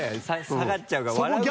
下がっちゃうから笑うけど。